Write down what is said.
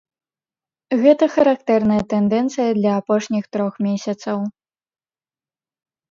Гэта характэрная тэндэнцыя для апошніх трох месяцаў.